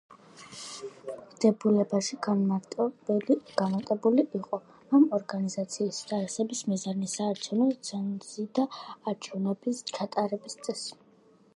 დებულებაში განმარტებული იყო ამ ორგანიზაციის დაარსების მიზანი, საარჩევნო ცენზი და არჩევნების ჩატარების წესი.